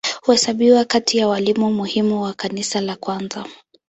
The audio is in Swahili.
Huhesabiwa kati ya walimu muhimu wa Kanisa la kwanza.